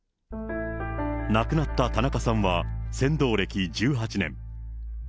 亡くなった田中さんは、船頭歴１８年。